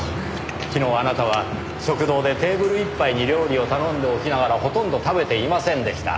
昨日あなたは食堂でテーブルいっぱいに料理を頼んでおきながらほとんど食べていませんでした。